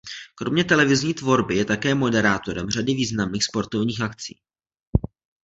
Kromě televizní tvorby je také moderátorem řady významných sportovních akcí.